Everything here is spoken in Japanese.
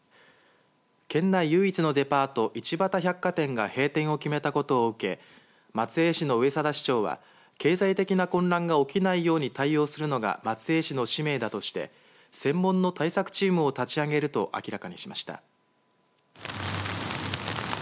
県内唯一のデパート一畑百貨店が閉店を決めたことを受け松江市の上定市長は経済的な混乱が起きないように対応するのが松江市の使命だとして専門の対策チームを立ち上げると明らかにしました。